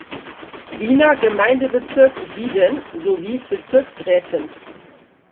Wiener Gemeindebezirk Wieden sowie Bezirksrätin.